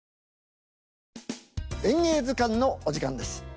「演芸図鑑」のお時間です。